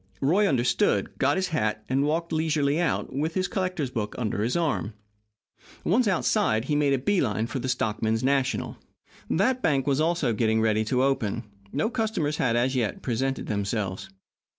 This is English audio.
Roy understood, got his hat, and walked leisurely out, with his collector's book under his arm. Once outside, he made a bee line for the Stockmen's National. That bank was also getting ready to open. No customers had, as yet, presented themselves.